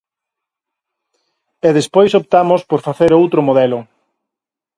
E despois optamos por facer outro modelo.